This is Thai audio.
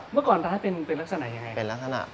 เมื่อก่อนร้านเป็นลักษณะอย่างไร